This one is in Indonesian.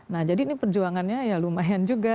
nah jadi ini perjuangannya ya lumayan juga